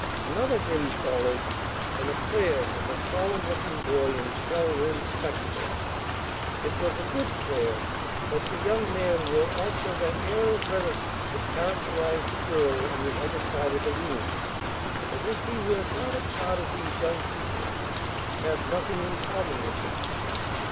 Another hymn followed, and a prayer from a solemn looking boy in shell rimmed spectacles. It was a good prayer, but the young man wore also that air of reticence that characterized the girl on the other side of the room, as if he were not a part of these young people, had nothing in common with them.